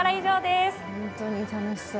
本当に楽しそう。